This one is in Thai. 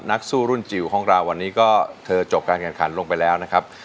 นักสู้รุ่นจิ๋วของเราวันนี้ก็เธอจบการแข่งขันลงไปแล้วนะครับ